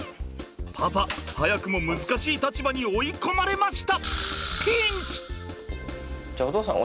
パパ早くも難しい立場に追い込まれました！